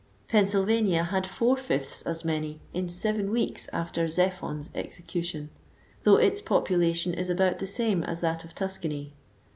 Pennsylvania had four fifths as many, in seven weeks after Zephon's execution ; though its population is about the same as that of Tuscany.